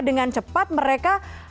dengan cepat mereka